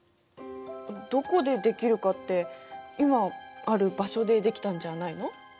どこでできるかって今ある場所でできたんじゃないの？